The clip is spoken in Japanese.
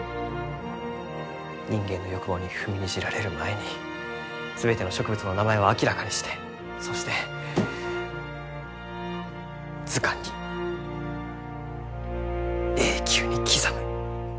人間の欲望に踏みにじられる前に全ての植物の名前を明らかにしてそして図鑑に永久に刻む。